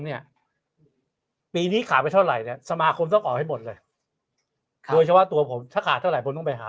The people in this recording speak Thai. นี้ปีนี้ขายไปเท่าไหร่สำคัญเท่าไหร่บอกเลยตัวผมถ้าขายเท่าไหร่ต้องไปหา